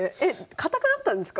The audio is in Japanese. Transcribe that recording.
堅くなったんですか？